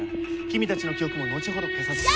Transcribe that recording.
君たちの記憶も後ほど消させて。